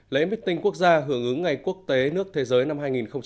lễ mít tinh quốc gia hưởng ứng ngày quốc tế nước thế giới năm hai nghìn một mươi sáu